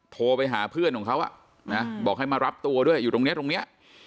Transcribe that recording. โทรไปหาเพื่อนของเขาบอกให้มารับตัวด้วยอยู่ตรงนี้ตรงนี้